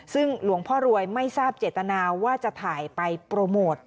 ซึ่งหลวงพ่อรวยไม่ทราบเจตนาว่าจะถ่ายไปโปรโมท